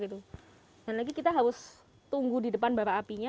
dan lagi kita harus tunggu di depan bara apinya